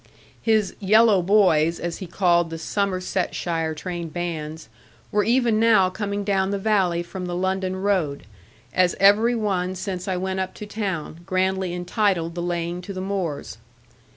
His 'yellow boys,' as he called the Somersetshire trained bands, were even now coming down the valley from the London Road, as every one since I went up to town, grandly entitled the lane to the moors.